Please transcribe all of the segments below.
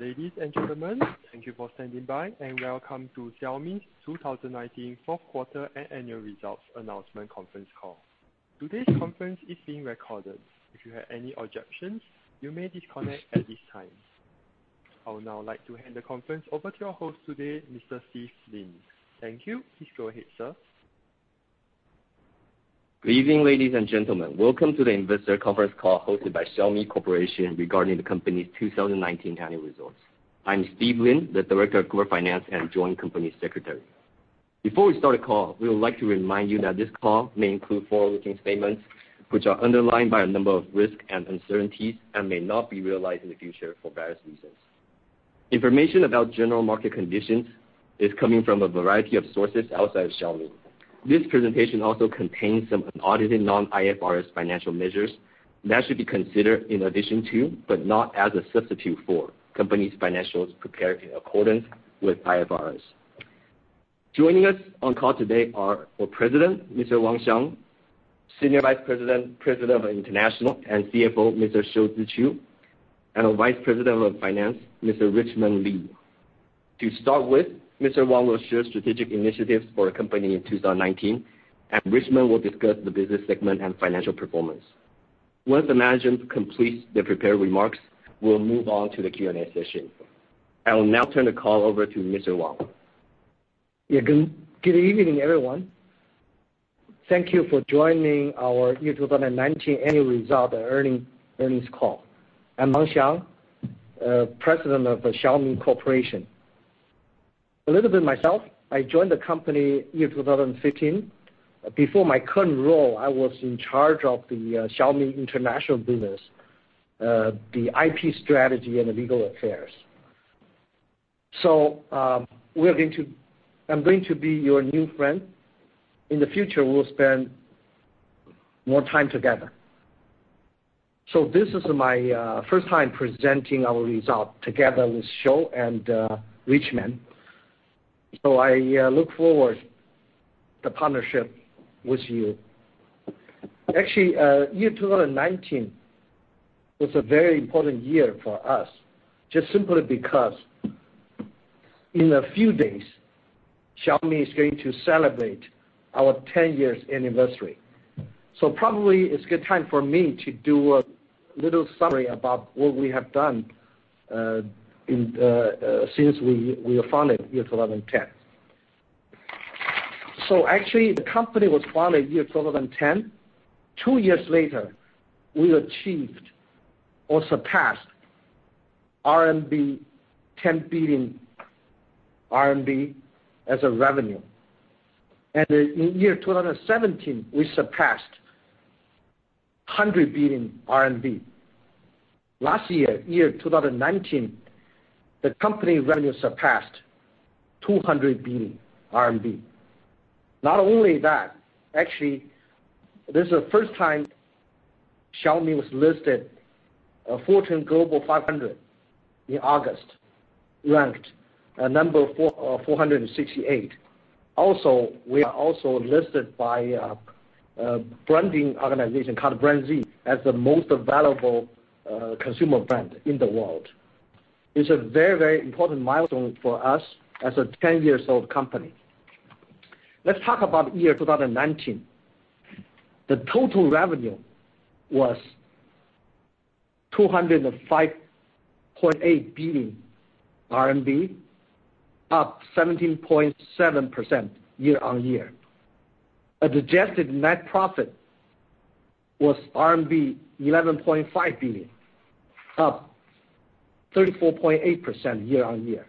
Ladies and gentlemen, thank you for standing by, and welcome to Xiaomi's 2019 Fourth Quarter and Annual Results Announcement Conference Call. Today's conference is being recorded. If you have any objections, you may disconnect at this time. I would now like to hand the conference over to your host today, Mr. Steve Lin. Thank you. Please go ahead, sir. Good evening, ladies and gentlemen. Welcome to the investor conference call hosted by Xiaomi Corporation regarding the company's 2019 annual results. I'm Steve Lin, the Director of Corporate Finance and Joint Company Secretary. Before we start the call, we would like to remind you that this call may include forward-looking statements which are underlined by a number of risks and uncertainties and may not be realized in the future for various reasons. Information about general market conditions is coming from a variety of sources outside of Xiaomi. This presentation also contains some unaudited non-IFRS financial measures that should be considered in addition to, but not as a substitute for, company's financials prepared in accordance with IFRS. Joining us on call today are our President, Mr. Wang Xiang, Senior Vice President of International and CFO, Mr. Shou Zi Chew, and Vice President of Finance, Mr. Richmond Li. To start with, Mr. Wang will share strategic initiatives for the company in 2019, and Richmond will discuss the business segment and financial performance. Once the management completes their prepared remarks, we'll move on to the Q&A session. I will now turn the call over to Mr. Wang. Yeah. Good evening, everyone. Thank you for joining our 2019 annual result earnings call. I'm Wang Xiang, President of the Xiaomi Corporation. A little bit myself, I joined the company in 2015. Before my current role, I was in charge of the Xiaomi international business, the IP strategy, and the legal affairs. I'm going to be your new friend. In the future, we'll spend more time together. This is my first time presenting our result together with Shou and Richmond. I look forward the partnership with you. Actually, 2019 was a very important year for us, just simply because in a few days, Xiaomi is going to celebrate our 10 years anniversary. Probably it's a good time for me to do a little summary about what we have done since we were founded in 2010. Actually, the company was founded year 2010. Two years later, we achieved or surpassed 10 billion RMB as a revenue. In year 2017, we surpassed CNY 100 billion. Last year 2019, the company revenue surpassed 200 billion RMB. Not only that, actually, this is the first time Xiaomi was listed on Fortune Global 500 in August, ranked number 468. We are also listed by a branding organization called BrandZ as the most valuable consumer brand in the world. It's a very, very important milestone for us as a 10 years old company. Let's talk about year 2019. The total revenue was CNY 205.8 billion, up 17.7% year-on-year. Adjusted net profit was RMB 11.5 billion, up 34.8% year-on-year.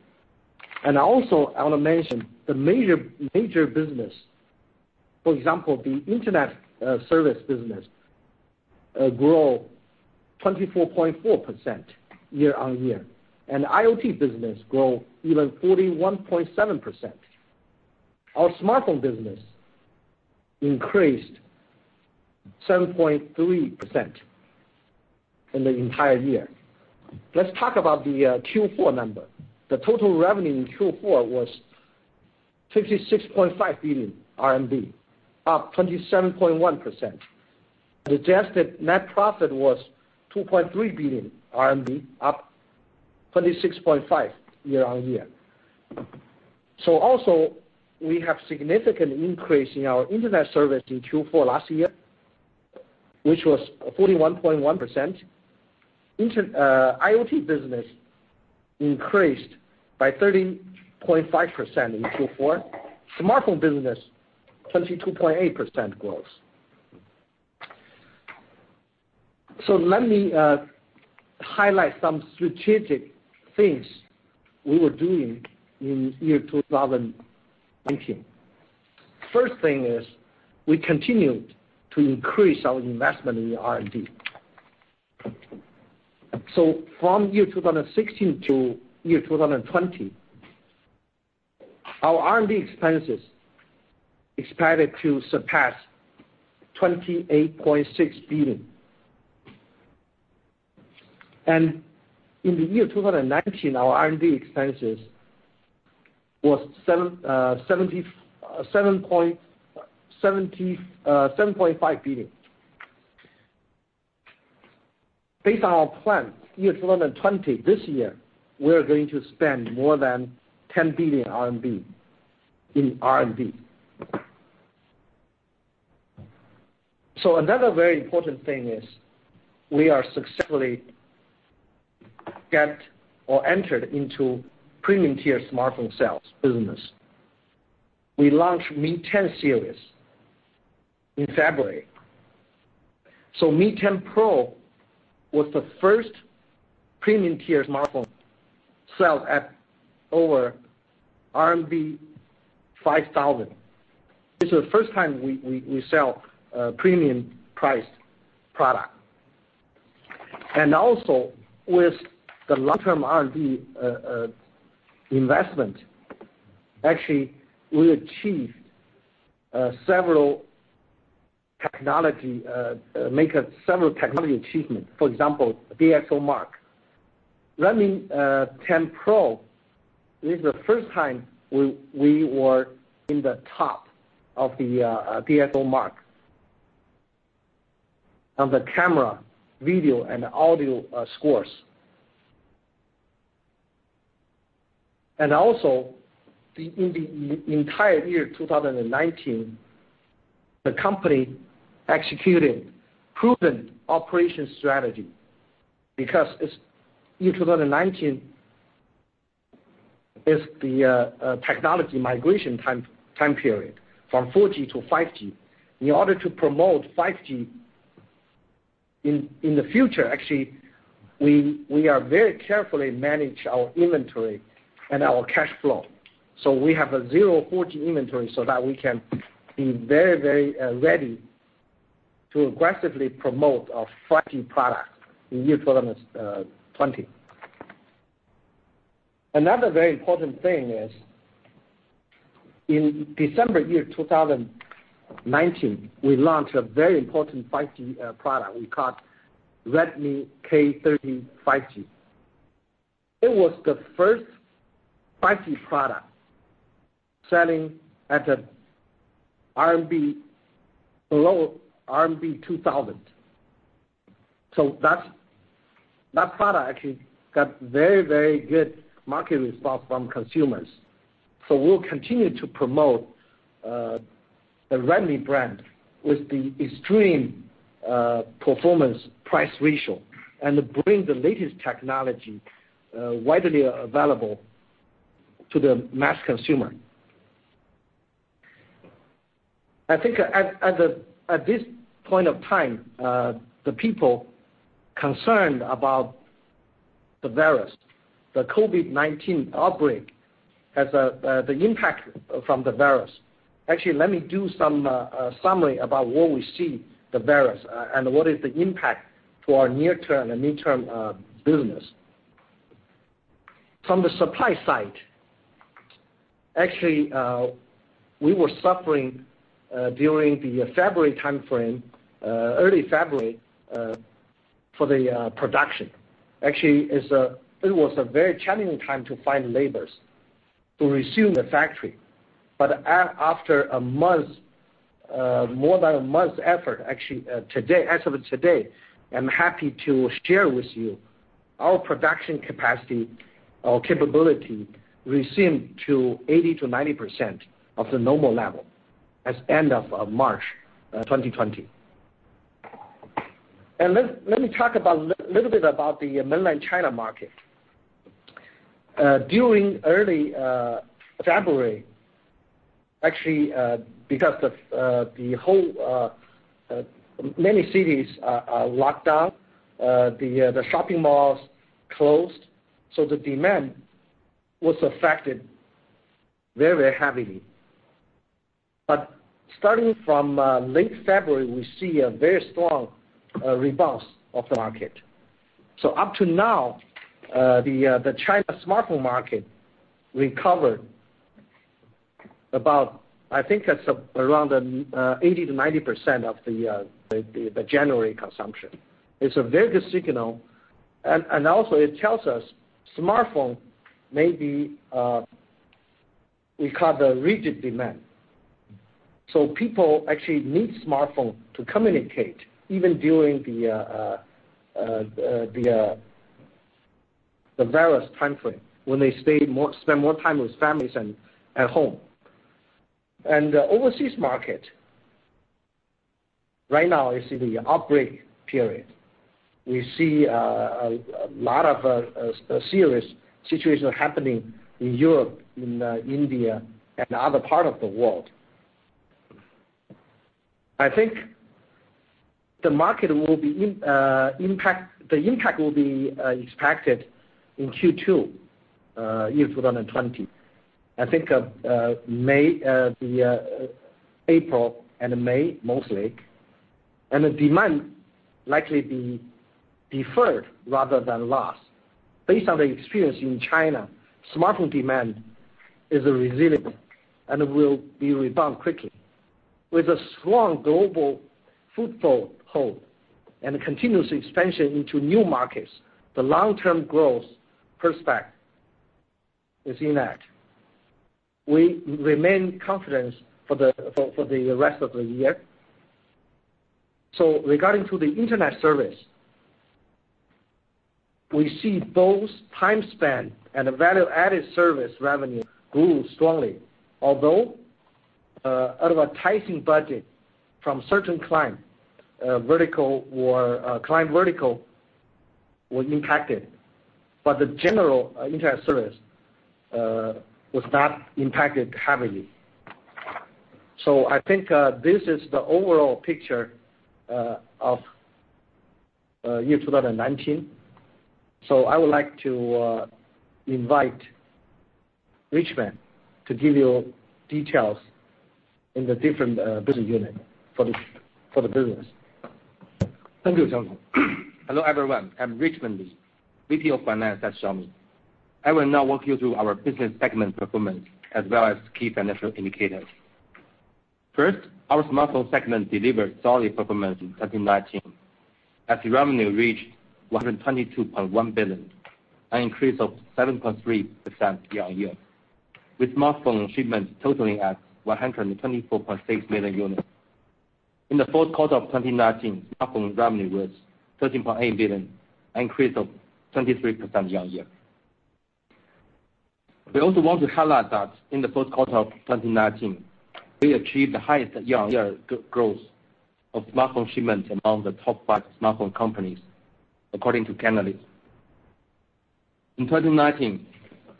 I want to mention the major business. For example, the internet service business grow 24.4% year-on-year. IoT business grow even 41.7%. Our smartphone business increased 7.3% in the entire year. Let's talk about the Q4 number. The total revenue in Q4 was 56.5 billion RMB, up 27.1%. Adjusted net profit was 2.3 billion RMB, up 26.5% year-on-year. Also, we have significant increase in our internet service in Q4 last year, which was 41.1%. IoT business increased by 30.5% in Q4. Smartphone business, 22.8% growth. Let me highlight some strategic things we were doing in year 2019. First thing is we continued to increase our investment in R&D. From year 2016 to year 2020, our R&D expenses expanded to surpass CNY 28.6 billion. In the year 2019, our R&D expenses was CNY 7.5 billion. Based on our plan, year 2020, this year, we are going to spend more than 10 billion RMB in R&D. Another very important thing is we are successfully get or entered into premium tier smartphone sales business. We launched Mi 10 series in February. Mi 10 Pro was the first premium tier smartphone sold at over RMB 5,000. This is the first time we sell a premium priced product. With the long-term R&D investment, actually, we achieved several technology, make several technology achievement. For example, DXOMARK. Mi 10 Pro is the first time we were in the top of the DXOMARK of the camera, video, and audio scores. In the entire year 2019, the company executed proven operation strategy because in 2019 is the technology migration time period from 4G to 5G. In order to promote 5G in the future, actually, we are very carefully manage our inventory and our cash flow. We have a zero 4G inventory so that we can be very much ready to aggressively promote our 5G product in 2020. Another very important thing is in December 2019, we launched a very important 5G product we called Redmi K30 5G. It was the first 5G product selling at below RMB 2,000. That product actually got very good market response from consumers. We'll continue to promote the Redmi brand with the extreme performance, price ratio, and bring the latest technology widely available to the mass consumer. I think at this point of time, the people concerned about the virus, the COVID-19 outbreak, the impact from the virus. Actually, let me do some summary about where we see the virus and what is the impact to our near term and midterm business. From the supply side, actually, we were suffering during the February timeframe, early February, for the production. It was a very challenging time to find labor to resume the factory. After more than a month's effort, actually, as of today, I'm happy to share with you our production capacity or capability resumed to 80%-90% of the normal level as end of March 2020. Let me talk a little bit about the Mainland China market. During early February, actually, because many cities are locked down, the shopping malls closed. The demand was affected very heavily. Starting from late February, we see a very strong bounce of the market. Up to now, the China smartphone market recovered about, I think it's around 80%-90% of the January consumption. It's a very good signal. Also it tells us smartphone may be, we call the rigid demand. People actually need smartphone to communicate even during the virus timeframe, when they spend more time with families and at home. Overseas market, right now is in the outbreak period. We see a lot of serious situation happening in Europe, in India, and other part of the world. I think the impact will be expected in Q2, year 2020. I think April and May mostly. The demand likely be deferred rather than lost. Based on the experience in China, smartphone demand is resilient and will rebound quickly. With a strong global foothold and continuous expansion into new markets, the long-term growth prospect is in that. We remain confident for the rest of the year. Regarding to the internet service, we see both timespan and the value-added service revenue grew strongly. Advertising budget from certain client, vertical or client vertical was impacted, but the general internet service was not impacted heavily. I think this is the overall picture of year 2019. I would like to invite Richmond to give you details in the different business unit for the business. Thank you, Xiang. Hello, everyone. I'm Richmond Li, VP of Finance at Xiaomi. I will now walk you through our business segment performance as well as key financial indicators. First, our smartphone segment delivered solid performance in 2019 as revenue reached 122.1 billion, an increase of 7.3% year-on-year, with smartphone shipments totaling at 124.6 million units. In the fourth quarter of 2019, smartphone revenue was CNY 30.8 billion, an increase of 23% year-on-year. We also want to highlight that in the fourth quarter of 2019, we achieved the highest year-on-year growth of smartphone shipments among the top five smartphone companies, according to Canalys. In 2019,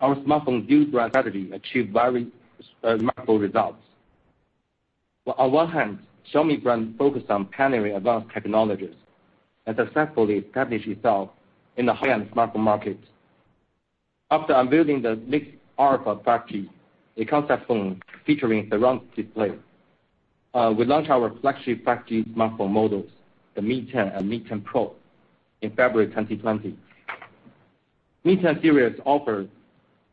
our smartphone dual brand strategy achieved very remarkable results. On one hand, Xiaomi brand focused on pioneering advanced technologies and successfully established itself in the high-end smartphone markets. After unveiling the Mi MIX Alpha 5G, a concept phone featuring surround display, we launched our flagship 5G smartphone models, the Mi 10 and Mi 10 Pro, in February 2020. Mi 10 series offers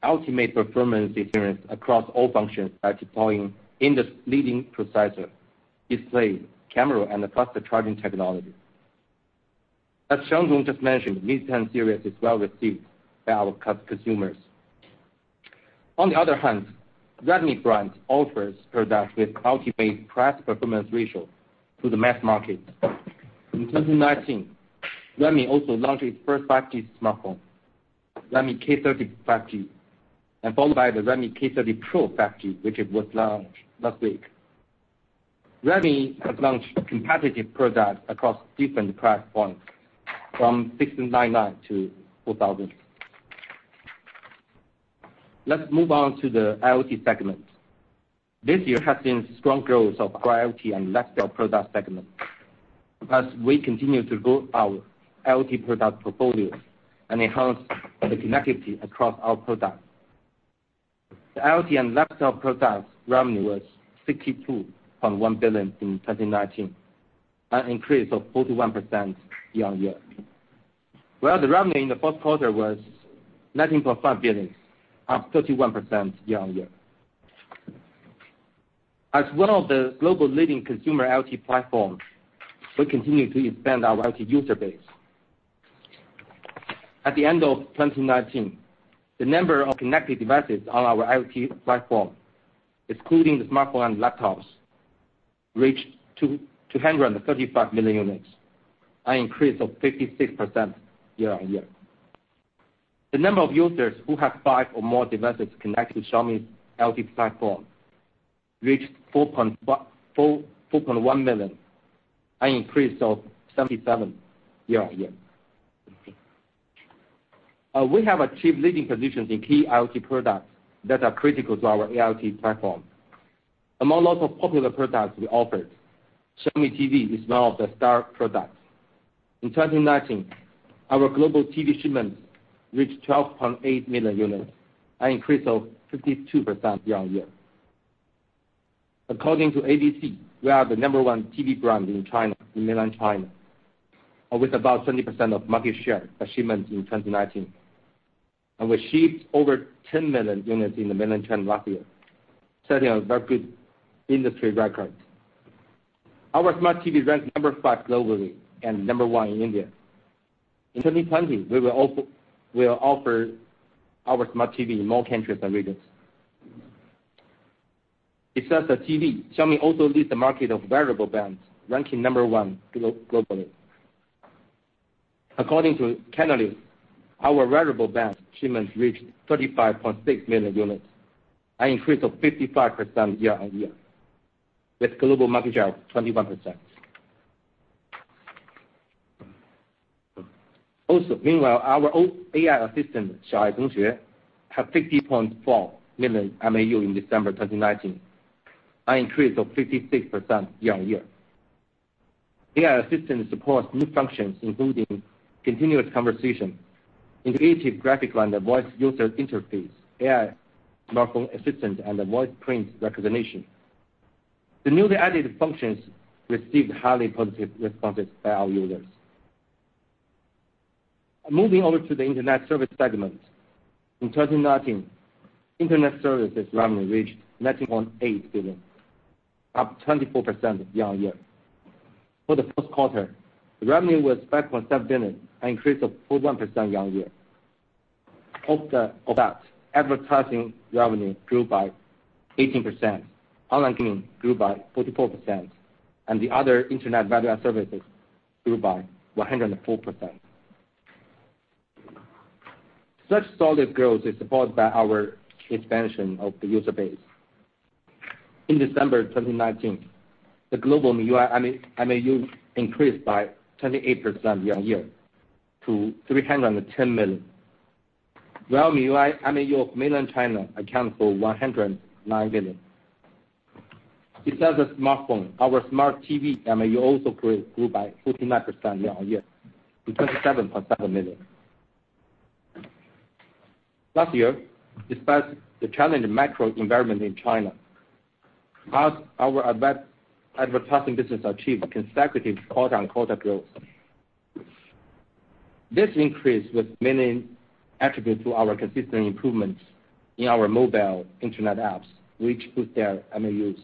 ultimate performance experience across all functions by deploying industry-leading processor, display, camera, and the fastest charging technology. As Xiang just mentioned, Mi 10 series is well-received by our consumers. On the other hand, Redmi brand offers products with ultimate price performance ratio to the mass market. In 2019, Redmi also launched its first 5G smartphone, Redmi K30 5G, and followed by the Redmi K30 Pro 5G, which was launched last week. Redmi has launched competitive products across different price points from CNY 699-CNY 4,000. Let's move on to the IoT segment. This year has seen strong growth of our IoT and lifestyle product segment. As we continue to grow our IoT product portfolio and enhance the connectivity across our products. The IoT and lifestyle products revenue was 62.1 billion in 2019, an increase of 41% year-over-year, while the revenue in the fourth quarter was 19.5 billion, up 31% year-over-year. As one of the global leading consumer IoT platforms, we continue to expand our IoT user base. At the end of 2019, the number of connected devices on our IoT platform, excluding the smartphone and laptops, reached 235 million units, an increase of 56% year-over-year. The number of users who have five or more devices connected to Xiaomi's IoT platform reached 4.1 million, an increase of 77% year-over-year. We have achieved leading positions in key IoT products that are critical to our IoT platform. Among lots of popular products we offered, Xiaomi TV is one of the star products. In 2019, our global TV shipments reached 12.8 million units, an increase of 52% year-on-year. According to AVC, we are the number 1 TV brand in Mainland China, with about 20% of market share by shipments in 2019, and we shipped over 10 million units in the mainland China last year, setting a very good industry record. Our smart TV ranked number 5 globally and number 1 in India. In 2020, we'll offer our smart TV in more countries and regions. Besides the TV, Xiaomi also leads the market of wearable bands, ranking number 1 globally. According to Canalys, our wearable band shipments reached 35.6 million units, an increase of 55% year-on-year, with global market share of 21%. Meanwhile, our AI assistant, Xiao AI, have 50.4 million MAU in December 2019, an increase of 56% year-on-year. AI assistant supports new functions, including continuous conversation, intuitive graphic on the voice user interface, AI smartphone assistant, and voice print recognition. The newly added functions received highly positive responses by our users. Moving over to the internet service segment. In 2019, internet services revenue reached 19.8 billion, up 24% year-on-year. For the first quarter, the revenue was 5.7 billion, an increase of 41% year-on-year. Of that, advertising revenue grew by 18%, online gaming grew by 44%, and the other internet value-add services grew by 104%. Such solid growth is supported by our expansion of the user base. In December 2019, the global MAU increased by 28% year-on-year to 310 million. While MAU of mainland China accounts for 109 million. Besides the smartphone, our smart TV MAU also grew by 49% year-on-year to 27.7 million. Last year, despite the challenging macro environment in China, our advertising business achieved consecutive quarter-on-quarter growth. This increase was mainly attributed to our consistent improvements in our mobile internet apps, which boost their MAUs.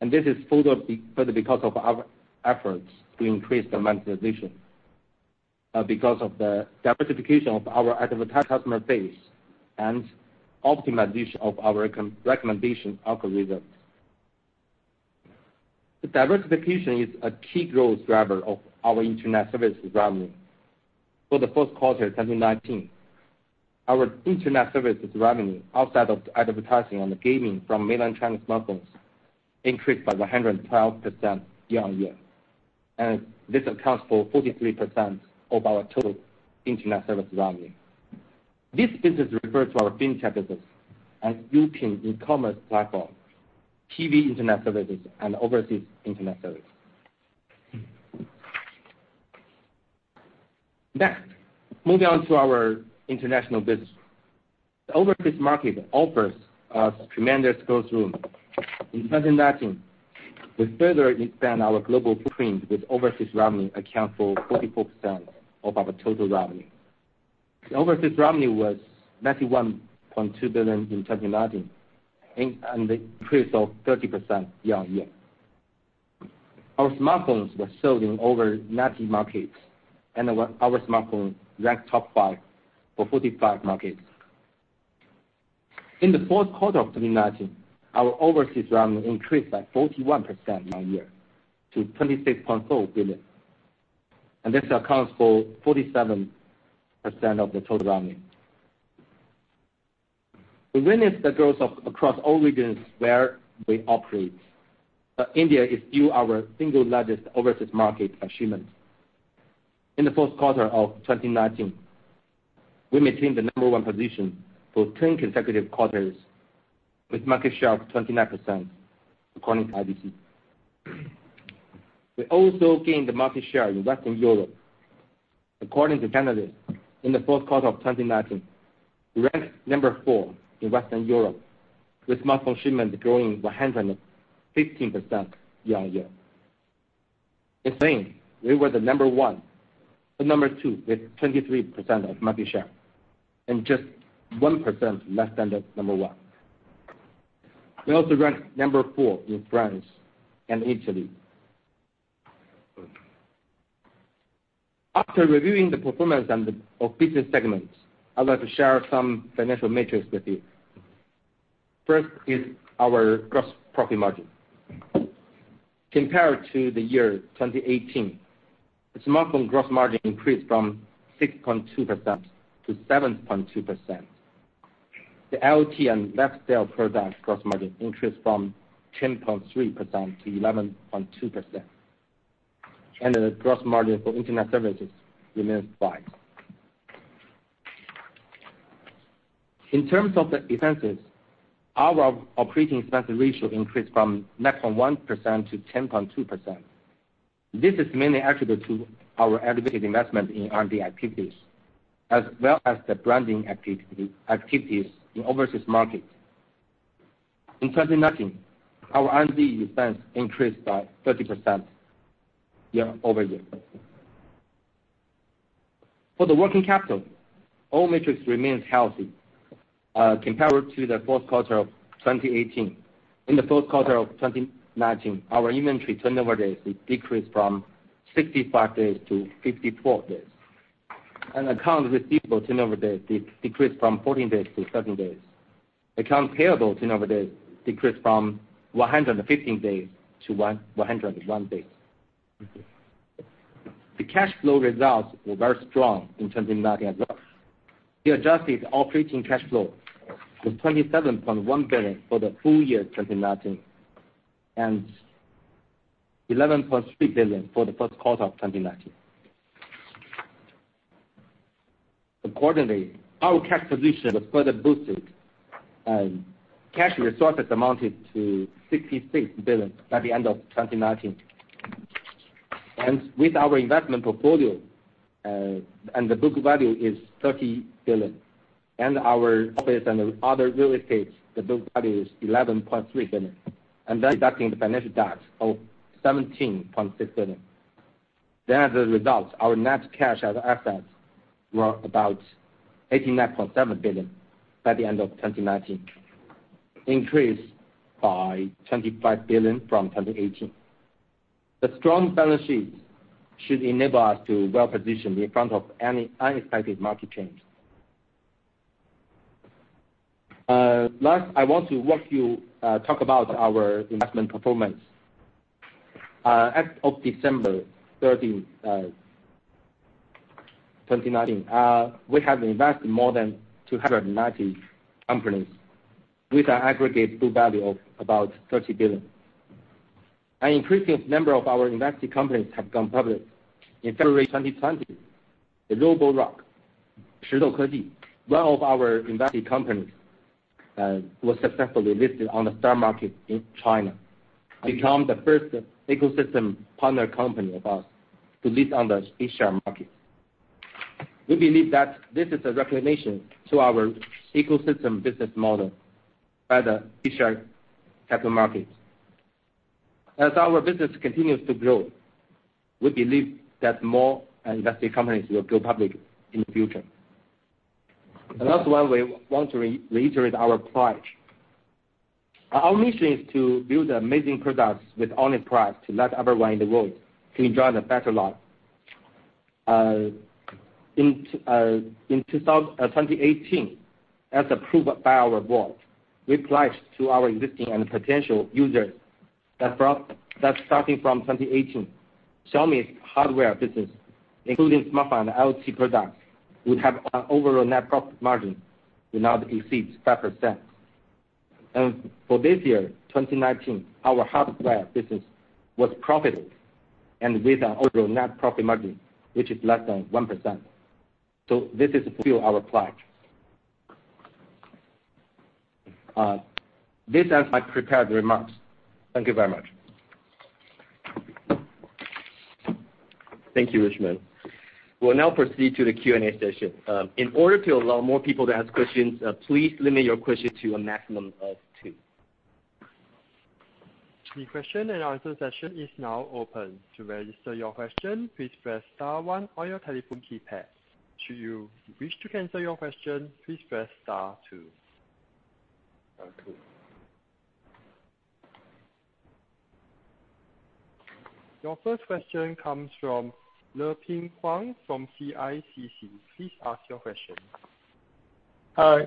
This is further because of our efforts to increase the monetization, because of the diversification of our advertising customer base and optimization of our recommendation algorithms. The diversification is a key growth driver of our internet services revenue. For the first quarter of 2019, our internet services revenue outside of advertising and gaming from Mainland China smartphones increased by 112% year-on-year. This accounts for 43% of our total internet services revenue. This business refers to our fintech business and Youpin e-commerce platform, TV internet services, and overseas internet services. Next, moving on to our international business. The overseas market offers us tremendous growth room. In 2019, we further expand our global footprint with overseas revenue account for 44% of our total revenue. The overseas revenue was 91.2 billion in 2019, and an increase of 30% year-on-year. Our smartphones were sold in over 90 markets, and our smartphone ranked top 5 for 45 markets. In the fourth quarter of 2019, our overseas revenue increased by 41% year-on-year to 26.4 billion. This accounts for 47% of the total revenue. We witnessed the growth across all regions where we operate, but India is still our single largest overseas market by shipment. In the fourth quarter of 2019, we maintained the number one position for 10 consecutive quarters with market share of 29%, according to IDC. We also gained the market share in Western Europe. According to Canalys, in the fourth quarter of 2019, we ranked number 4 in Western Europe with smartphone shipment growing 115% year-on-year. In Spain, we were the number 2 with 23% of market share and just 1% less than the number 1. We also ranked number 4 in France and Italy. After reviewing the performance of business segments, I'd like to share some financial metrics with you. First is our gross profit margin. Compared to the year 2018, the smartphone gross margin increased from 6.2% to 7.2%. The IoT and lifestyle product gross margin increased from 10.3% to 11.2%. The gross margin for internet services remains flat. In terms of the expenses, our operating expense ratio increased from 9.1% to 10.2%. This is mainly attributed to our elevated investment in R&D activities as well as the branding activities in overseas markets. In 2019, our R&D expense increased by 30% year-over-year. For the working capital, all metrics remains healthy. Compared to the fourth quarter of 2018, in the fourth quarter of 2019, our inventory turnover days decreased from 65 days to 54 days, and accounts receivable turnover days decreased from 14 days to seven days. Accounts payable turnover days decreased from 115 days to 101 days. The cash flow results were very strong in 2019 as well. The adjusted operating cash flow was 27.1 billion for the full year 2019 and 11.3 billion for the first quarter of 2019. Accordingly, our cash position was further boosted and cash resources amounted to 66 billion by the end of 2019. With our investment portfolio, and the book value is 30 billion, and our office and other real estate, the book value is 11.3 billion. Deducting the financial debt of 17.6 billion. As a result, our net cash as assets were about 89.7 billion by the end of 2019, increased by 25 billion from 2018. The strong balance sheet should enable us to well-positioned in front of any unexpected market change. Last, I want to talk about our investment performance. As of December 13, 2019, we have invested more than 290 companies with an aggregate book value of about 30 billion. An increasing number of our invested companies have gone public. In February 2020, the Roborock, one of our invested companies, was successfully listed on the stock market in China, become the first ecosystem partner company of us to list on the A-share market. We believe that this is a recognition to our ecosystem business model by the A-share capital markets. As our business continues to grow, we believe that more invested companies will go public in the future. Last one, we want to reiterate our pledge. Our mission is to build amazing products with honest price to let everyone in the world to enjoy the better life. In 2018, as approved by our board, we pledged to our existing and potential users that starting from 2018, Xiaomi's hardware business, including smartphone and IoT products, would have an overall net profit margin will not exceed 5%. For this year, 2019, our hardware business was profitable, and with an overall net profit margin which is less than 1%. This is to fulfill our pledge. This ends my prepared remarks. Thank you very much. Thank you, Richmond. We'll now proceed to the Q&A session. In order to allow more people to ask questions, please limit your question to a maximum of two. The question-and-answer session is now open. To register your question, please press star one on your telephone keypad. Should you wish to cancel your question, please press star two. Thank you. Your first question comes from Leping Huang from CICC. Please ask your question. Hi.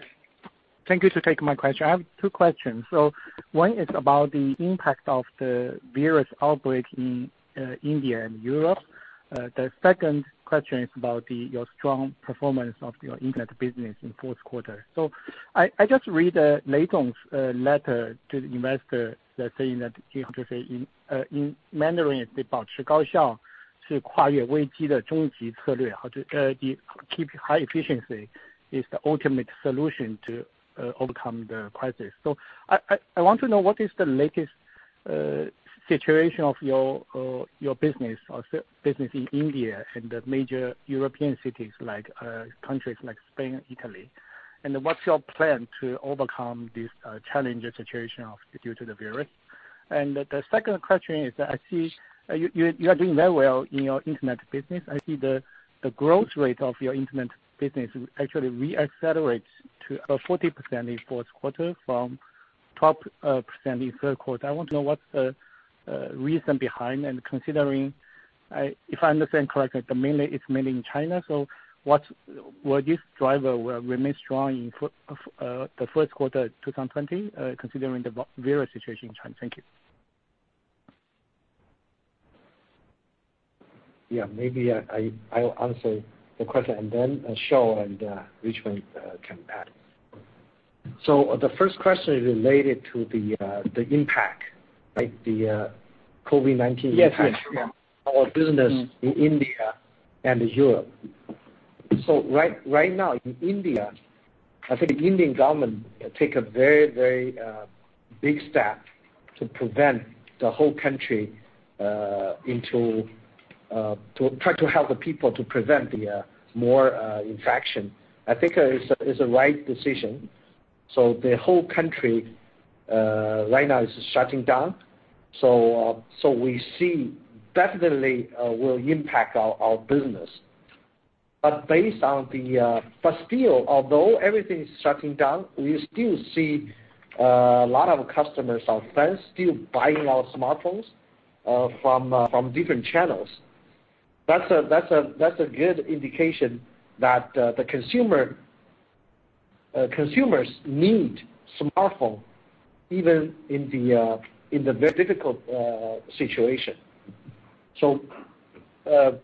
Thank you to take my question. I have two questions. One is about the impact of the virus outbreak in India and Europe. The second question is about your strong performance of your internet business in fourth quarter. I just read Lei Jun's letter to the investor that saying that, how to say in Mandarin, keep high efficiency is the ultimate solution to overcome the crisis. I want to know, what is the latest situation of your business or business in India and the major European cities like, countries like Spain and Italy? What's your plan to overcome this challenging situation due to the virus? The second question is that I see you are doing very well in your internet business. I see the growth rate of your internet business actually re-accelerates to a 40% in fourth quarter from 12% in third quarter. I want to know what's the reason behind and considering, if I understand correctly, it's mainly in China. Will this driver remain strong in the first quarter 2020 considering the virus situation in China? Thank you. Yeah. Maybe I'll answer the question and then Shou Zi and Richmond can add. The first question is related to the impact, right? The COVID-19 impact- Yes. Yeah. our business in India and Europe. Right now in India, I think the Indian government take a very, very big step to try to help the people to prevent the more infection. I think it's the right decision. The whole country right now is shutting down. We see definitely will impact our business. Still, although everything is shutting down, we still see a lot of customers online still buying our smartphones from different channels. That's a good indication that the consumers need smartphone even in the very difficult situation.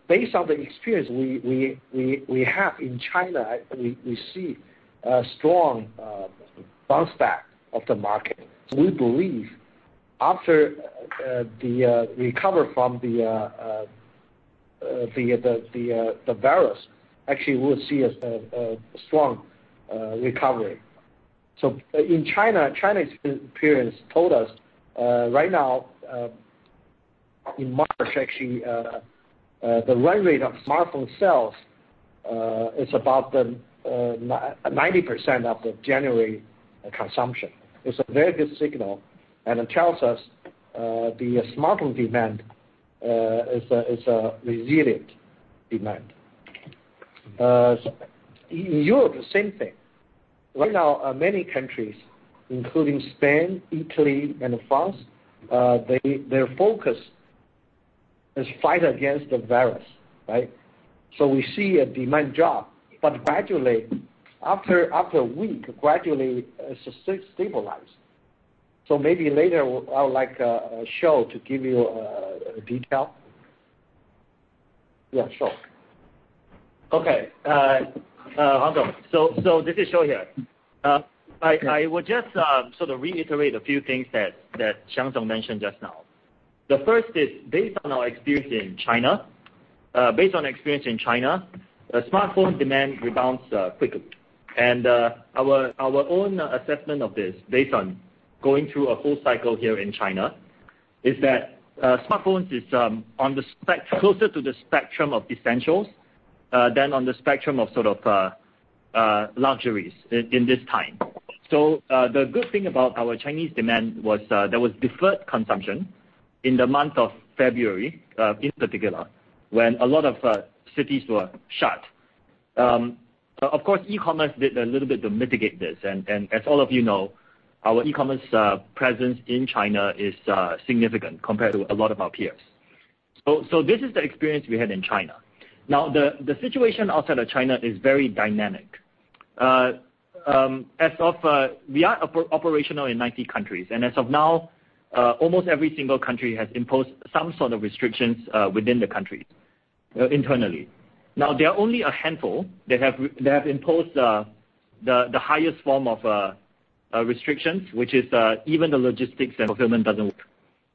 Based on the experience we have in China, we see a strong bounce back of the market. We believe after the recover from the virus, actually, we'll see a strong recovery. In China's experience told us right now, in March actually, the run rate of smartphone sales It's about 90% of the January consumption. It's a very good signal. It tells us the smartphone demand is a resilient demand. In Europe, the same thing. Right now, many countries, including Spain, Italy, and France, their focus is fight against the virus, right? We see a demand drop. Gradually, after a week, it stabilized. Maybe later, I would like Shou to give you detail. Yeah, sure. Okay. Hello. This is Shou here. I would just sort of reiterate a few things that Xiang mentioned just now. The first is, based on our experience in China, smartphone demand rebounds quickly. Our own assessment of this, based on going through a full cycle here in China, is that smartphones is closer to the spectrum of essentials than on the spectrum of sort of luxuries in this time. The good thing about our Chinese demand was there was deferred consumption in the month of February, in particular, when a lot of cities were shut. Of course, e-commerce did a little bit to mitigate this, and as all of you know, our e-commerce presence in China is significant compared to a lot of our peers. This is the experience we had in China. The situation outside of China is very dynamic. We are operational in 90 countries, and as of now, almost every single country has imposed some sort of restrictions within the country internally. There are only a handful that have imposed the highest form of restrictions, which is even the logistics and fulfillment doesn't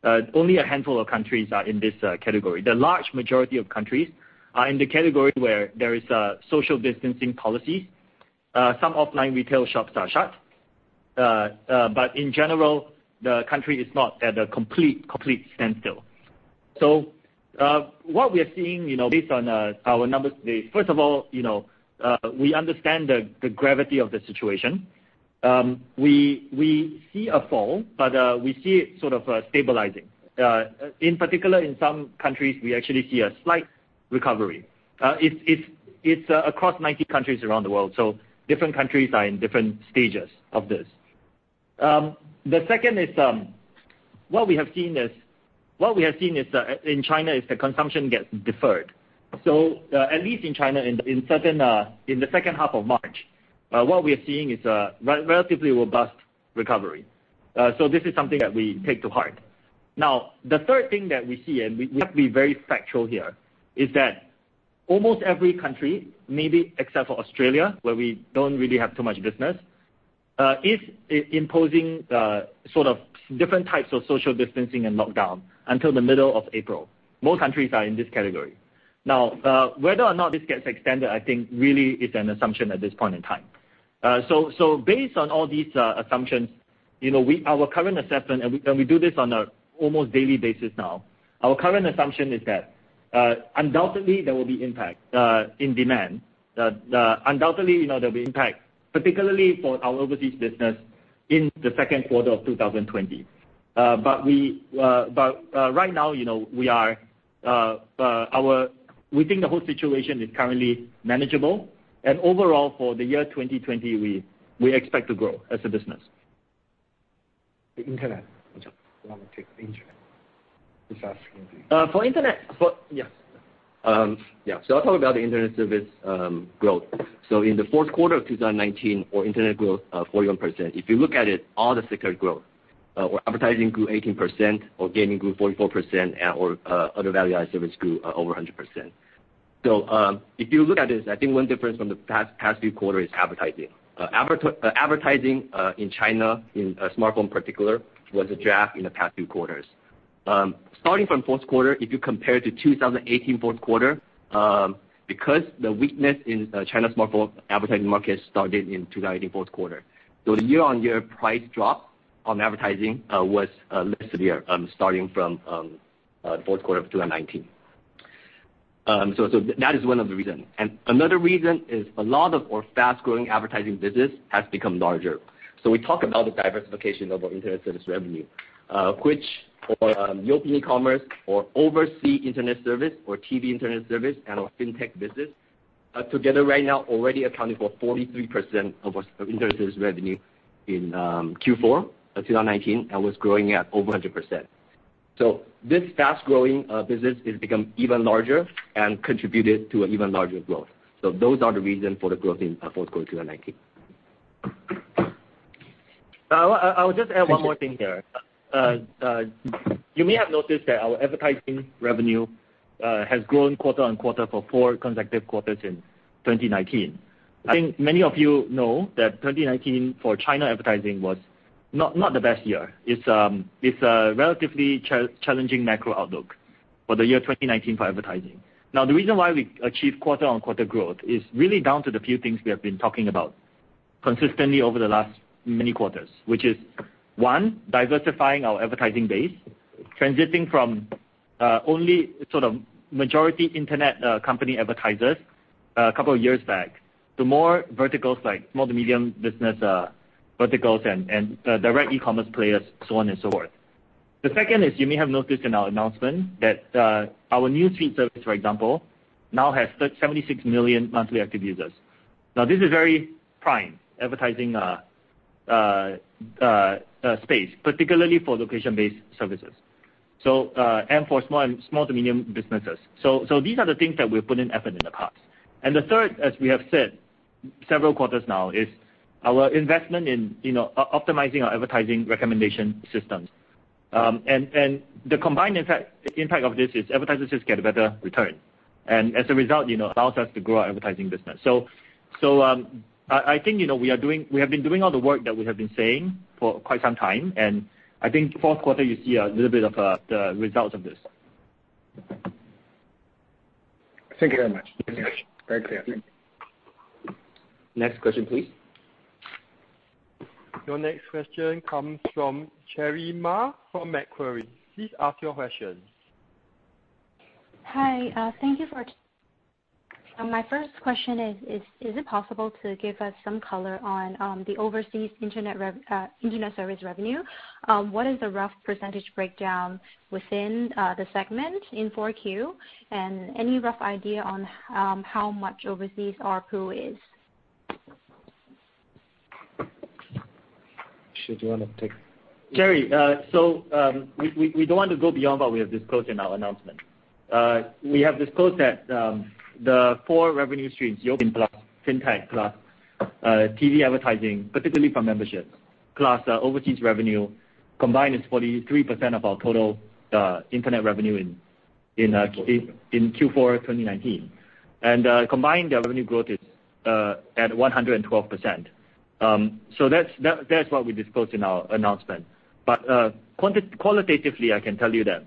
work. Only a handful of countries are in this category. The large majority of countries are in the category where there is social distancing policies. Some offline retail shops are shut. In general, the country is not at a complete standstill. What we are seeing, based on our numbers today, first of all, we understand the gravity of the situation. We see a fall, but we see it sort of stabilizing. In particular, in some countries, we actually see a slight recovery. It's across 90 countries around the world, so different countries are in different stages of this. The second is what we have seen in China is the consumption gets deferred. At least in China, in the second half of March, what we are seeing is a relatively robust recovery. This is something that we take to heart. The third thing that we see, and we have to be very factual here, is that almost every country, maybe except for Australia, where we don't really have too much business, is imposing sort of different types of social distancing and lockdown until the middle of April. Most countries are in this category. Whether or not this gets extended, I think really is an assumption at this point in time. Based on all these assumptions, our current assessment, and we do this on a almost daily basis now, our current assumption is that undoubtedly, there will be impact in demand. Undoubtedly, there'll be impact, particularly for our overseas business in the second quarter of 2020. Right now, we think the whole situation is currently manageable, and overall for the year 2020, we expect to grow as a business. The internet. You want me take the internet. He's asking you. For internet. Yeah. I'll talk about the internet service growth. In the fourth quarter of 2019, our internet growth, 41%. If you look at it, all the segment growth, our advertising grew 18%, our gaming grew 44%, our other value-added service grew over 100%. If you look at this, I think one difference from the past few quarters is advertising. Advertising in China, in smartphone particular, was a drag in the past few quarters. Starting from fourth quarter, if you compare to 2018 fourth quarter, because the weakness in China's smartphone advertising market started in 2018 fourth quarter. The year-on-year price drop on advertising was less severe, starting from fourth quarter of 2019. That is one of the reason. Another reason is a lot of our fast-growing advertising business has become larger. We talk about the diversification of our internet service revenue, which for Youpin e-commerce or overseas internet service or TV internet service and our fintech business, together right now already accounting for 43% of our internet service revenue in Q4 of 2019, and was growing at over 100%. This fast-growing business has become even larger and contributed to an even larger growth. Those are the reason for the growth in fourth quarter 2019. I will just add one more thing here. Thank you. You may have noticed that our advertising revenue has grown quarter-on-quarter for four consecutive quarters in 2019. I think many of you know that 2019 for China advertising was not the best year. It's a relatively challenging macro outlook for the year 2019 for advertising. The reason why we achieved quarter-on-quarter growth is really down to the few things we have been talking about consistently over the last many quarters, which is one, diversifying our advertising base, transitioning from only sort of majority internet company advertisers a couple of years back, to more verticals like small to medium business verticals and direct e-commerce players, so on and so forth. The second is, you may have noticed in our announcement that our MAU of TV service, for example, now has 27.7 million monthly active users. This is very prime advertising space, particularly for location-based services, and for small to medium businesses. These are the things that we've put in effort in the past. The third, as we have said several quarters now, is our investment in optimizing our advertising recommendation systems. The combined impact of this is advertisers just get a better return. As a result, allows us to grow our advertising business. I think we have been doing all the work that we have been saying for quite some time, and I think fourth quarter, you see a little bit of the results of this. Thank you very much. Very clear. Thank you. Next question, please. Your next question comes from Cherry Ma from Macquarie. Please ask your question. Hi. Thank you. My first question is it possible to give us some color on the overseas internet service revenue? What is the rough percentage breakdown within the segment in 4Q? Any rough idea on how much overseas ARPU is? Shou, do you want to take? Cherry, we don't want to go beyond what we have disclosed in our announcement. We have disclosed that the four revenue streams, gaming plus fintech, plus TV advertising, particularly from memberships, plus overseas revenue, combined is 43% of our total internet revenue in Q4 2019. Combined revenue growth is at 112%. That's what we disclosed in our announcement. Qualitatively, I can tell you that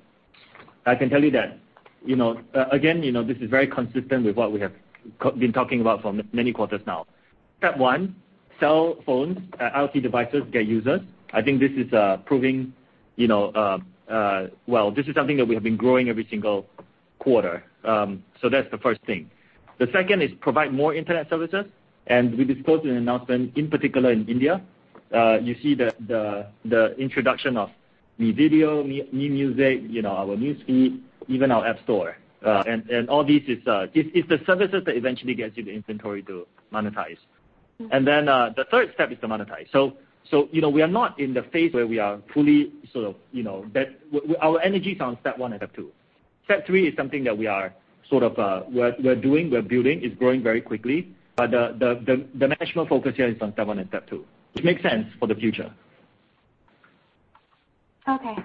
again this is very consistent with what we have been talking about for many quarters now. Step one, sell phones, IoT devices, get users. I think this is something that we have been growing every single quarter. That's the first thing. The second is provide more internet services, we disclosed an announcement in particular in India. You see the introduction of Mi Video, Mi Music, our News Feed, even our App Store. All this is the services that eventually gets you the inventory to monetize. The third step is to monetize. We are not in the phase where we are fully sort of. Our energy is on step 1 and step 2. Step 3 is something that we're doing, we're building, it's growing very quickly, but the management focus here is on step 1 and step 2, which makes sense for the future. Okay.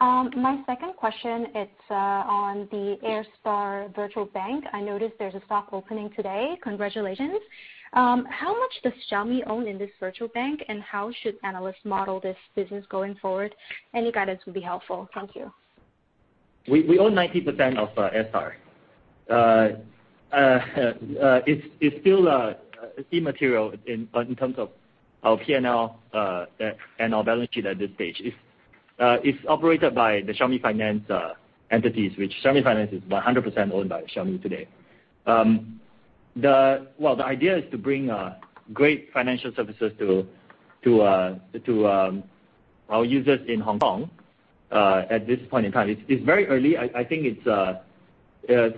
My second question is on the Airstar virtual bank. I noticed there's a soft opening today. Congratulations. How much does Xiaomi own in this virtual bank, and how should analysts model this business going forward? Any guidance would be helpful. Thank you. We own 90% of Airstar Bank. It's still immaterial in terms of our P&L and our balance sheet at this stage. It's operated by the Xiaomi Finance entities, which Xiaomi Finance is 100% owned by Xiaomi today. The idea is to bring great financial services to our users in Hong Kong at this point in time. It's very early. I think it's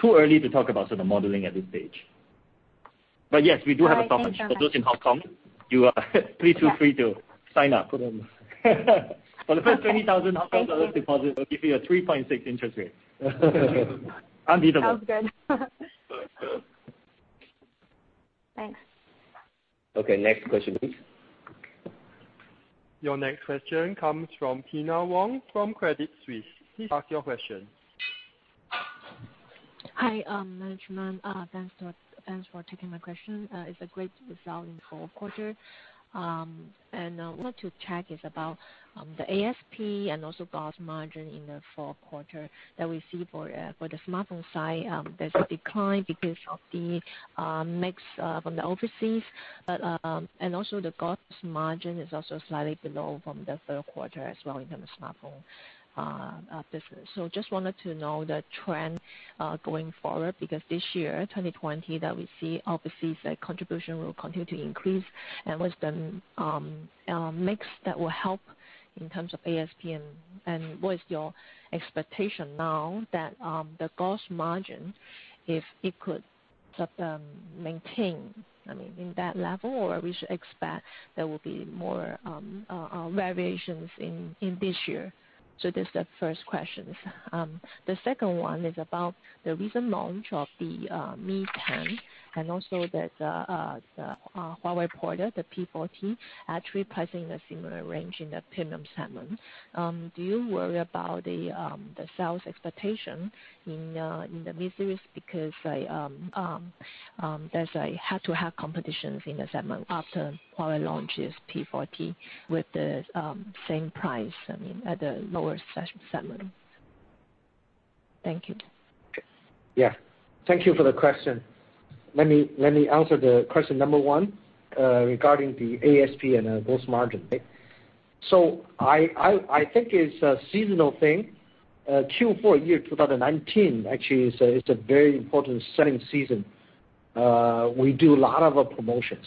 too early to talk about sort of modeling at this stage. Yes, we do have a soft launch for those in Hong Kong. Please feel free to sign up. For the first 20,000 dollars deposit, we'll give you a 3.6 interest rate. Unbeatable. Sounds good. Thanks. Okay, next question, please. Your next question comes from Kyna Wong from Credit Suisse. Please ask your question. Hi, management. Thanks for taking my question. It's a great result in the fourth quarter. I wanted to check is about the ASP and also gross margin in the fourth quarter that we see for the smartphone side. There's a decline because of the mix from the overseas, and also the gross margin is also slightly below from the third quarter as well in terms of smartphone business. Just wanted to know the trend going forward, because this year, 2020, that we see overseas contribution will continue to increase. What's the mix that will help in terms of ASP, and what is your expectation now that the gross margin, if it could sort of maintain in that level, or we should expect there will be more variations in this year? That's the first question. The second one is about the recent launch of the Mi 10, and also the Huawei product, the P40, actually pricing in a similar range in the premium segment. Do you worry about the sales expectation in the Mi series? Because there's a head-to-head competition in the segment after Huawei launches P40 with the same price, I mean, at the lower segment. Thank you. Thank you for the question. Let me answer the question number one, regarding the ASP and gross margin. I think it's a seasonal thing. Q4 year 2019 actually is a very important selling season. We do a lot of promotions.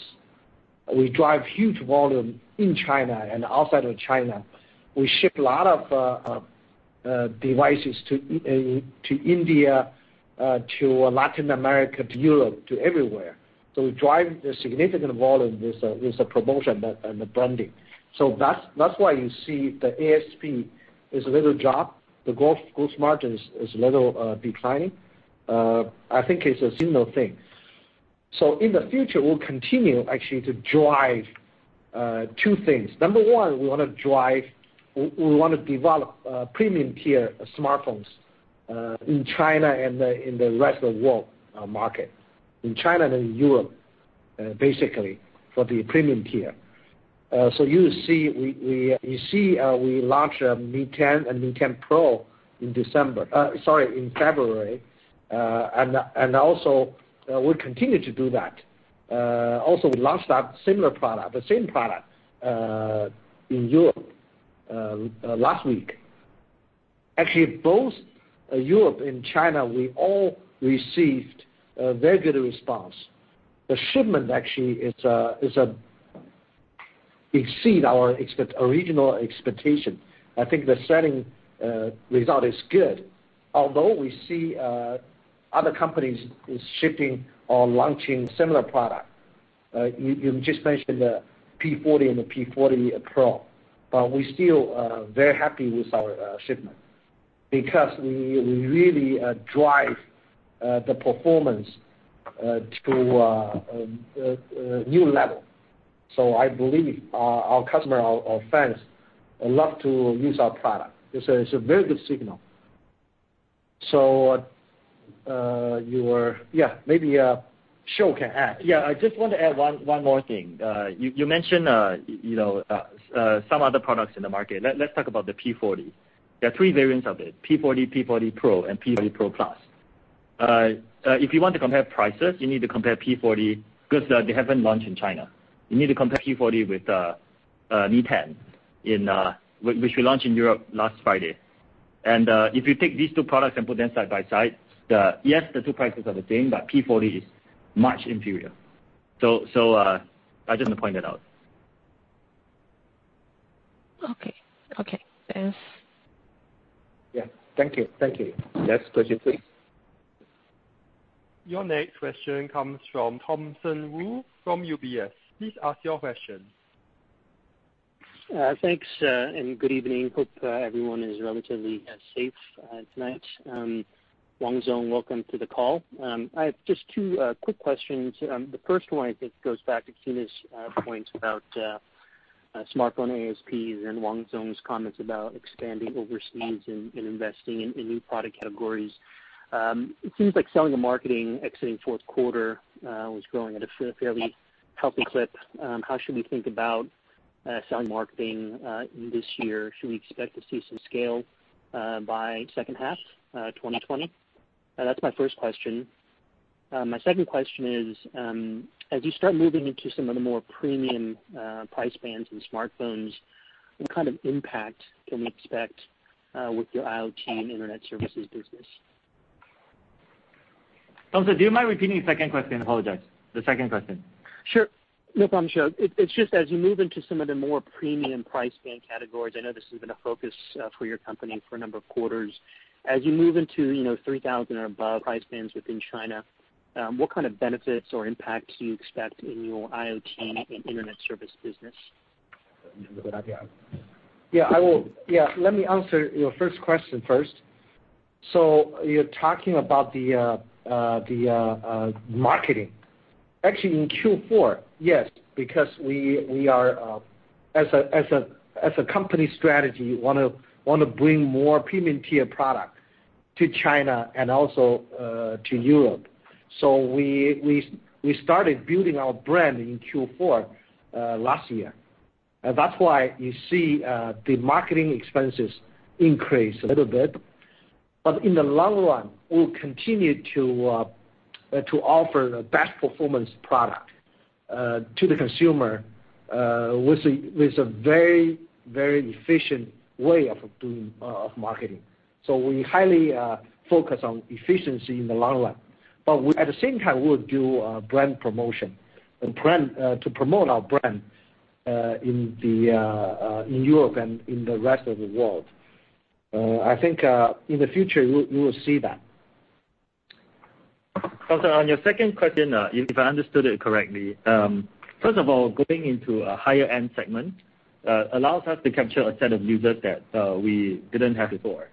We drive huge volume in China and outside of China. We ship a lot of devices to India, to Latin America, to Europe, to everywhere. We drive the significant volume with the promotion and the branding. That's why you see the ASP is a little drop. The gross margin is a little declining. I think it's a seasonal thing. In the future, we'll continue actually to drive two things. Number one, we want to develop premium tier smartphones, in China and in the rest of world market. In China and in Europe, basically for the premium tier. You see we launched Mi 10 and Mi 10 Pro in February. Also we continue to do that. We launched that similar product, the same product, in Europe last week. Actually, both Europe and China, we all received a very good response. The shipment actually exceed our original expectation. I think the selling result is good. Although we see other companies is shipping or launching similar product, you just mentioned the P40 and the P40 Pro, but we're still very happy with our shipment because we really drive the performance to a new level. I believe our customer, our fans, love to use our product. It's a very good signal. Yeah. Maybe Shou can add. Yeah, I just want to add one more thing. You mentioned some other products in the market. Let's talk about the P40. There are three variants of it, P40 Pro, and P40 Pro+. If you want to compare prices, you need to compare P40 because they haven't launched in China. You need to compare P40 with Mi 10, which we launched in Europe last Friday. If you take these two products and put them side by side, yes, the two prices are the same, but P40 is much inferior. I just want to point that out. Okay. Thanks. Yeah. Thank you. Next question, please. Your next question comes from Thompson Wu from UBS. Please ask your question. Thanks. Good evening. Hope everyone is relatively safe tonight. Wang Xiang, welcome to the call. I have just two quick questions. The first one I think goes back to Kyna's points about smartphone ASPs and Wang Xiang's comments about expanding overseas and investing in new product categories. It seems like selling and marketing exiting fourth quarter, was growing at a fairly healthy clip. How should we think about selling marketing this year? Should we expect to see some scale by second half 2020? That's my first question. My second question is, as you start moving into some of the more premium price bands and smartphones, what kind of impact can we expect with your IoT and internet services business? Thompson, do you mind repeating the second question? I apologize. The second question. Sure. No problem, Shou. It's just as you move into some of the more premium price band categories, I know this has been a focus for your company for a number of quarters. As you move into 3,000 or above price bands within China, what kind of benefits or impacts do you expect in your IoT and internet service business? Let me answer your first question first. You're talking about the marketing. Actually, in Q4, yes, because we are, as a company strategy, want to bring more premium tier product to China and also to Europe. We started building our brand in Q4 last year. That's why you see the marketing expenses increase a little bit. In the long run, we'll continue to offer the best performance product to the consumer with a very efficient way of marketing. We highly focus on efficiency in the long run. At the same time, we would do brand promotion to promote our brand in Europe and in the rest of the world. I think, in the future, you will see that. On your second question, if I understood it correctly, first of all, going into a higher end segment, allows us to capture a set of users that we didn't have before.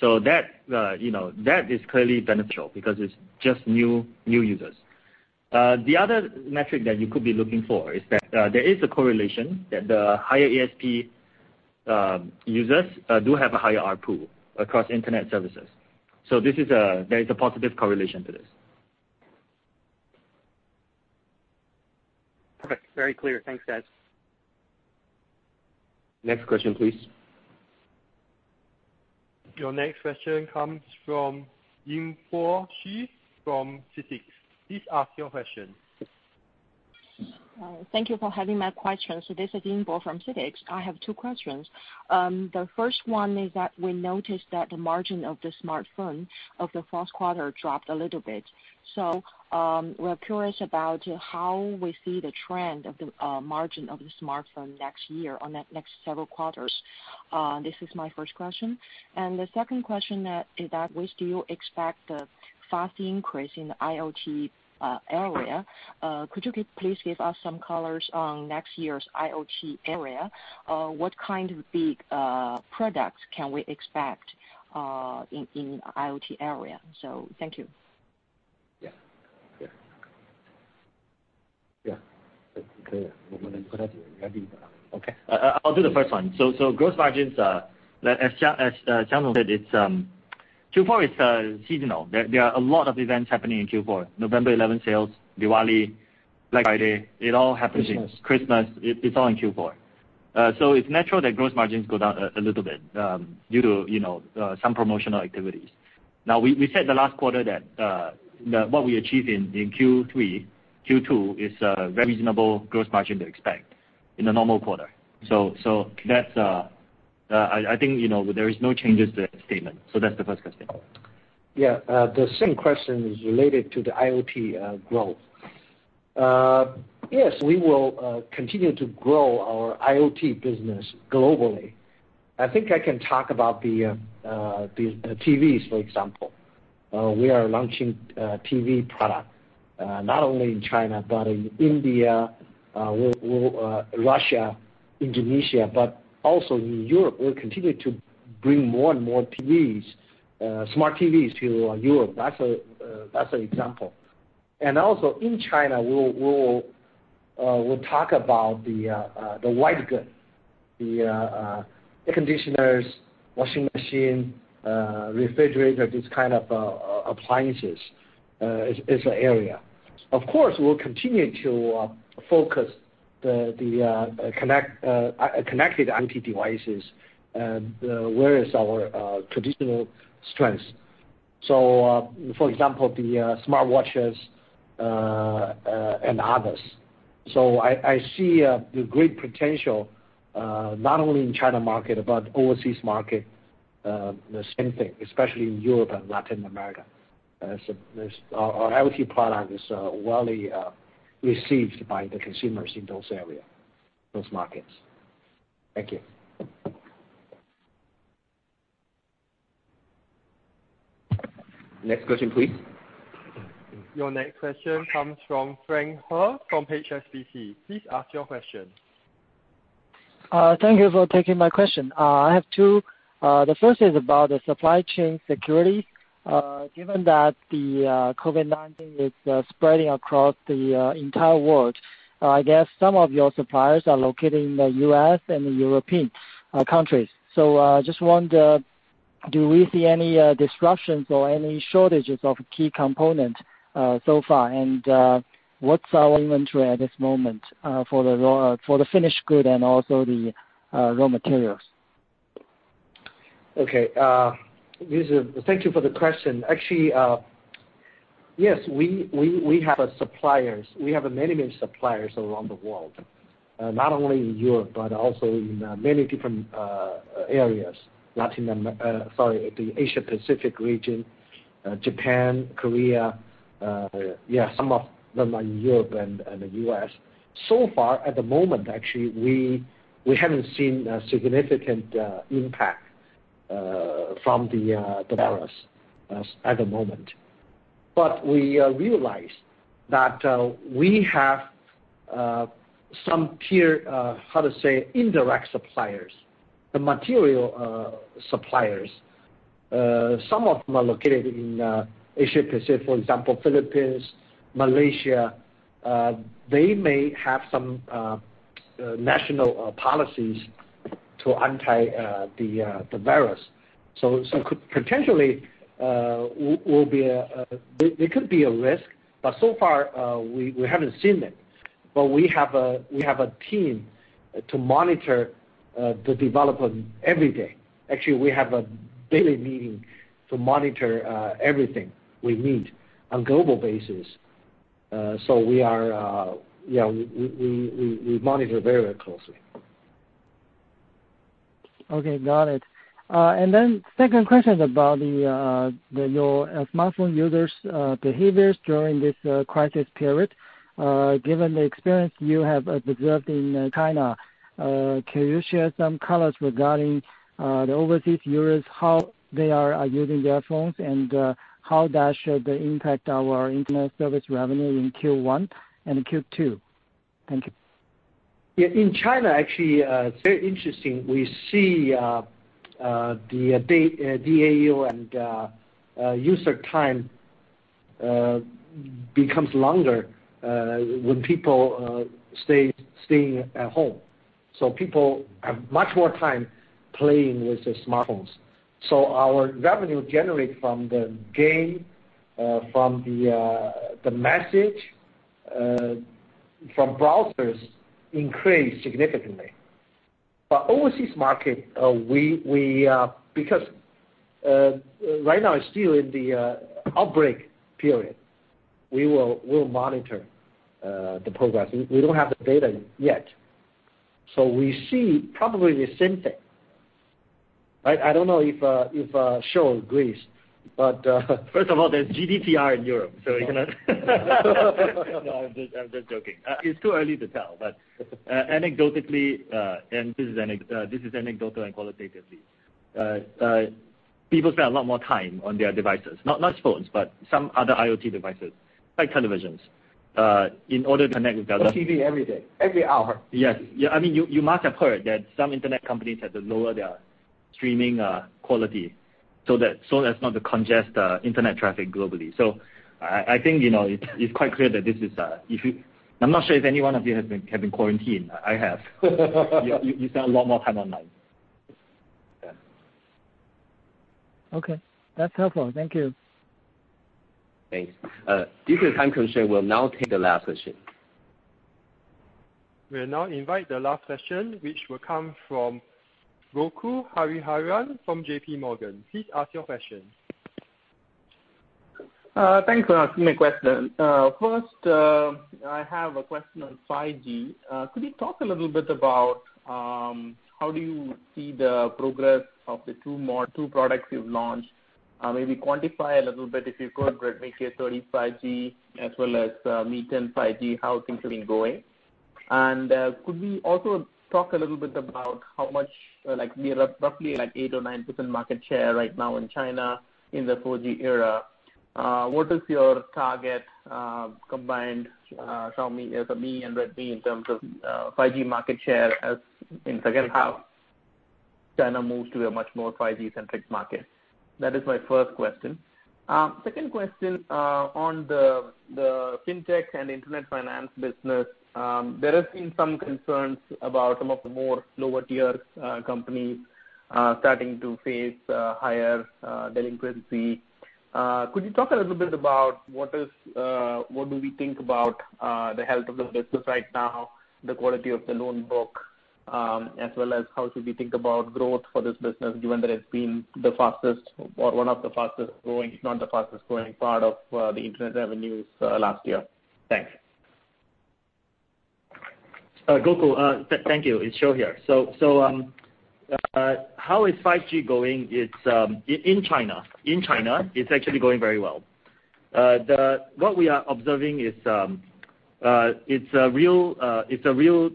That is clearly beneficial because it's just new users. The other metric that you could be looking for is that there is a correlation that the higher ASP users do have a higher ARPU across internet services. There is a positive correlation to this. Very clear. Thanks, guys. Next question, please. Your next question comes from Yingbo Xu from CITIC Securities. Please ask your question. Thank you for having my question. This is Yingbo from CITIC Securities. I have two questions. The first one is that we noticed that the margin of the smartphone of the first quarter dropped a little bit. We're curious about how we see the trend of the margin of the smartphone next year on that next several quarters. This is my first question. The second question is that we still expect a fast increase in the IoT area. Could you please give us some colors on next year's IoT area? What kind of big products can we expect in IoT area? Thank you. Yeah. Yeah. Okay. Okay. I'll do the first one. Gross margins, as Xiang said, Q4 is seasonal. There are a lot of events happening in Q4. November 11 sales, Diwali, Black Friday. It all happens. Christmas. Christmas. It's all in Q4. It's natural that gross margins go down a little bit, due to some promotional activities. Now, we said the last quarter that, what we achieved in Q3, Q2 is a very reasonable gross margin to expect in a normal quarter. I think, there is no changes to that statement. That's the first question. Yeah. The same question is related to the IoT growth. Yes. We will continue to grow our IoT business globally. I think I can talk about the TVs, for example. We are launching TV product, not only in China, but in India, Russia, Indonesia, but also in Europe. We'll continue to bring more and more smart TVs to Europe. That's an example. Also in China, we'll talk about the white good. The air conditioners, washing machine, refrigerator, these kind of appliances. It's an area. Of course, we'll continue to focus the connected IoT devices, where is our traditional strength. For example, the smartwatches, and others. I see a great potential, not only in China market, but overseas market, the same thing, especially in Europe and Latin America. Our IoT product is widely received by the consumers in those area, those markets. Thank you. Next question, please. Your next question comes from Frank He from HSBC. Please ask your question. Thank you for taking my question. I have two. The first is about the supply chain security. Given that the COVID-19 is spreading across the entire world, I guess some of your suppliers are located in the U.S. and the European countries. Just wonder, do we see any disruptions or any shortages of key component so far? What's our inventory at this moment, for the finished good and also the raw materials? Okay. Thank you for the question. Actually, yes, we have a many, many suppliers around the world. Not only in Europe, but also in many different areas. The Asia Pacific region, Japan, Korea. Yeah, some of them are in Europe and the U.S. So far at the moment, actually, we haven't seen a significant impact from the virus at the moment. We realize that we have some peer, how to say, indirect suppliers. The material suppliers. Some of them are located in Asia Pacific, for example, Philippines, Malaysia. They may have some national policies to anti the virus. Potentially, there could be a risk, but so far, we haven't seen it. We have a team to monitor the development every day. Actually, we have a daily meeting to monitor everything we need on global basis. We monitor very closely. Okay. Got it. Second question is about your smartphone users' behaviors during this crisis period. Given the experience you have observed in China, can you share some colors regarding the overseas users, how they are using their phones, and how that should impact our internet service revenue in Q1 and Q2? Thank you. Yeah. In China, actually, it's very interesting. We see the DAU and user time becomes longer when people staying at home. People have much more time playing with their smartphones. Our revenue generated from the game, from the message, from browsers increased significantly. Overseas market, because right now it's still in the outbreak period, we'll monitor the progress. We don't have the data yet. We see probably the same thing. I don't know if Shou agrees. First of all, there's GDPR in Europe. No, I'm just joking. It's too early to tell. Anecdotally, this is anecdotal and qualitatively, people spend a lot more time on their devices, not phones, but some other IoT devices, like televisions, in order to connect with their loved- On TV every day, every hour. Yes. You must have heard that some internet companies had to lower their streaming quality so as not to congest internet traffic globally. I think it's quite clear that I'm not sure if any one of you have been quarantined. I have. You spend a lot more time online. Yeah. Okay. That's helpful. Thank you. Thanks. Due to time constraint, we'll now take the last question. We'll now invite the last question, which will come from Gokul Hariharan from JPMorgan. Please ask your question. Thanks for asking my question. First, I have a question on 5G. Could you talk a little bit about how do you see the progress of the two products you've launched? Maybe quantify a little bit, if you could, Redmi K30 5G as well as Mi 10 5G, how things have been going? Could we also talk a little bit about how much, roughly 8% or 9% market share right now in China in the 4G era. What is your target combined Xiaomi as a brand and Redmi in terms of 5G market share as in second half? China moves to a much more 5G centric market. That is my first question. Second question on the fintech and internet finance business. There has been some concerns about some of the more lower tier companies starting to face higher delinquency. Could you talk a little bit about what do we think about the health of the business right now, the quality of the loan book, as well as how should we think about growth for this business, given that it's been the fastest or one of the fastest growing, if not the fastest growing part of the internet revenues last year? Thanks. Gokul, thank you. It's Shou here. How is 5G going in China? In China, it's actually going very well. What we are observing is it's a real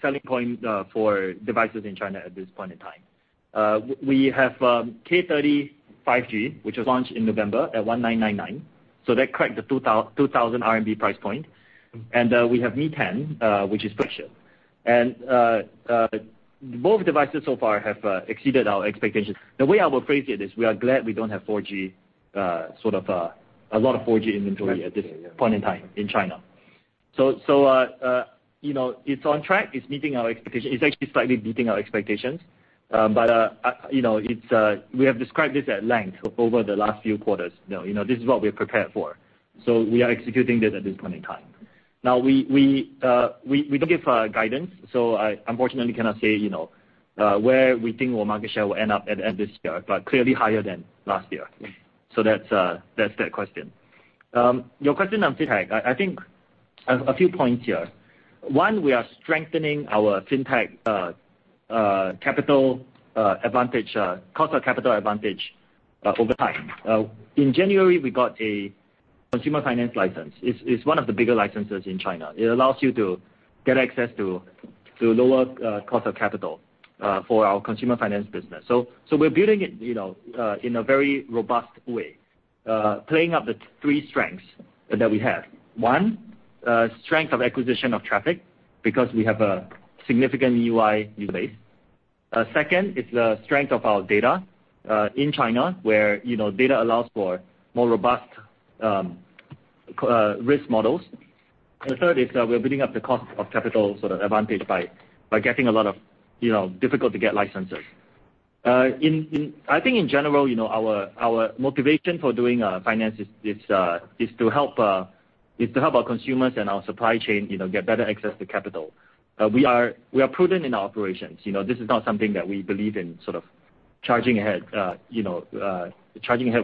selling point for devices in China at this point in time. We have K30 5G, which was launched in November at 1,999. That cracked the 2,000 RMB price point. We have Mi 10, which is flagship. Both devices so far have exceeded our expectations. The way I will phrase it is we are glad we don't have 4G, sort of a lot of 4G inventory at this point in time in China. It's on track. It's meeting our expectations. It's actually slightly beating our expectations. We have described this at length over the last few quarters. This is what we're prepared for. We are executing this at this point in time. We don't give guidance. I unfortunately cannot say where we think our market share will end up at the end of this year, but clearly higher than last year. That's that question. Your question on fintech. I think a few points here. One, we are strengthening our fintech capital advantage, cost of capital advantage over time. In January, we got a consumer finance license. It's one of the bigger licenses in China. It allows you to get access to lower cost of capital for our consumer finance business. We're building it in a very robust way, playing up the three strengths that we have. One, strength of acquisition of traffic because we have a significant UI user base. Second is the strength of our data in China where data allows for more robust risk models. Third is we're building up the cost of capital sort of advantage by getting a lot of difficult-to-get licenses. I think in general, our motivation for doing finance is to help our consumers and our supply chain get better access to capital. We are prudent in our operations. This is not something that we believe in sort of charging ahead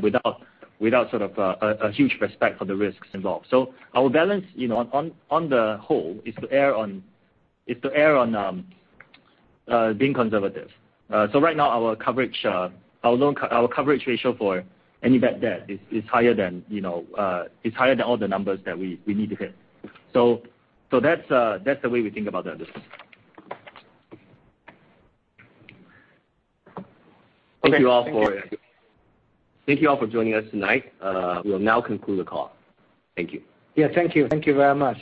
without sort of a huge respect for the risks involved. Our balance on the whole is to err on being conservative. Right now our coverage ratio for any bad debt is higher than all the numbers that we need to hit. That's the way we think about that. Thank you all for- Okay. Thank you. Thank you all for joining us tonight. We'll now conclude the call. Thank you. Yeah, thank you. Thank you very much.